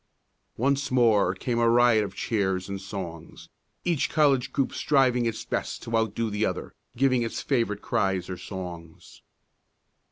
Once more came a riot of cheers and songs, each college group striving its best to outdo the other, giving its favorite cries or songs.